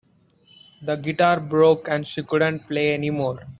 The guitar broke and she couldn't play anymore.